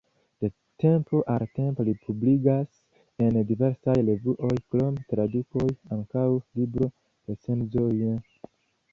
De tempo al tempo li publikigas en diversaj revuoj, krom tradukoj, ankaŭ libro-recenzojn.